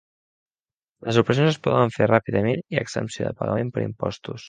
Les operacions es poden fer ràpidament i hi ha exempció de pagaments per impostos.